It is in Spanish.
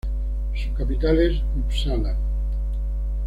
Su capital es Upsala.